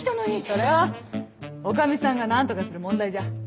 それは女将さんが何とかする問題じゃ？